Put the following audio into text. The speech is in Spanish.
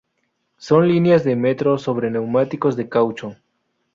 Son líneas de metro sobre neumáticos de caucho.